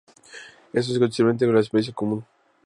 Esto es consistente con la experiencia común.